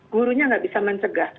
gurunya nggak bisa mencegah